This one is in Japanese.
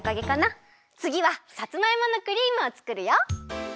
つぎはさつまいものクリームをつくるよ！